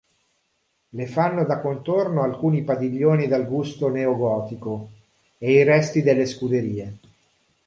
Le fanno da contorno alcuni padiglioni dal gusto neogotico, e i resti delle scuderie.